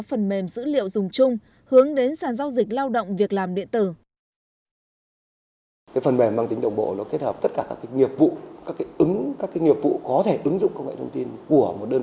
phần mềm dữ liệu dùng chung hướng đến sàn giao dịch lao động việc làm điện tử